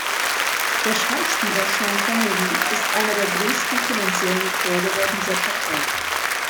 Der Schauspieler Sean Connery ist einer der größten finanziellen Förderer dieser Partei.